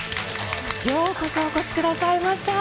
ようこそお越しくださいました。